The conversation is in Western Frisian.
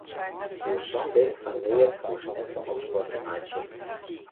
Oer sa'n ding fan neat hoechst net sa'n opskuor te meitsjen.